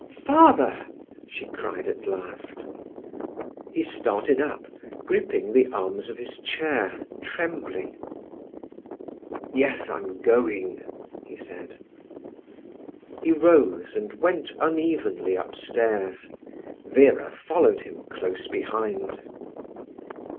"Father!" she cried at last. He started up, gripping the arms of his chair, trembling. "Yes, I'm going," he said. He rose, and went unevenly upstairs. Vera followed him close behind.